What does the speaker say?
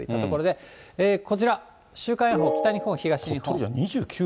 体調注意ということで、こちら、週間予報、北日本、東日本。